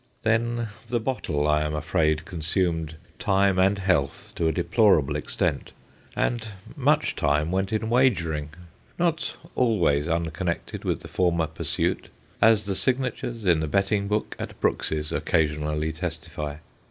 Then the bottle, I am afraid, consumed time and health to a deplorable extent, and much time went in wagering not always unconnected with the former pursuit, as the signatures in the betting book at Brooks's occasionally testify.